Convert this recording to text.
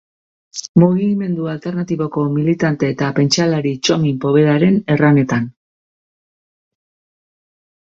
Mugimendu alternatiboko militante eta pentsalari Txomin Povedaren erranetan.